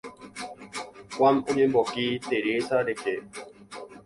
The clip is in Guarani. Juan oñemboki Teresa rehe.